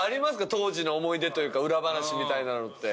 当時の思い出というか裏話みたいなのって。